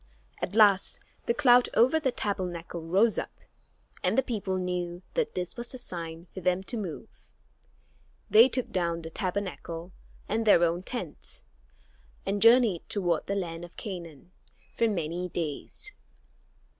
At last the cloud over the Tabernacle rose up, and the people knew that this was the sign for them to move. They took down the Tabernacle and their own tents, and journeyed toward the land of Canaan for many days.